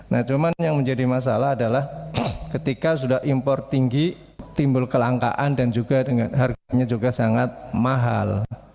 nah cuman yang menjadi masalah adalah ketika sudah impor tinggi timbul kelangkaan dan juga dengan harganya juga sangat mahal